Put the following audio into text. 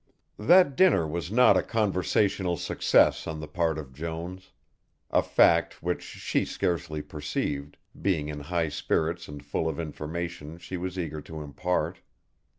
That dinner was not a conversational success on the part of Jones, a fact which she scarcely perceived, being in high spirits and full of information she was eager to impart.